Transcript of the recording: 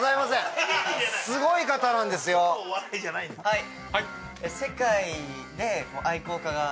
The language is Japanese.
はい！